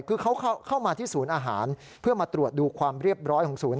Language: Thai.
คือเขาเข้ามาที่ศูนย์อาหารเพื่อมาตรวจดูความเรียบร้อยของศูนย์